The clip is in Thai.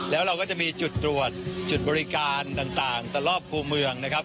แล้วเราก็จะมีจุดตรวจจุดบริการต่างตลอดรอบคู่เมืองนะครับ